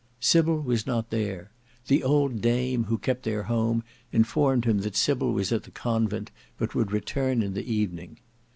Sybil was not there. The old dame who kept their home informed him that Sybil was at the convent, but would return in the evening.